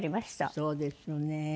そうですよね。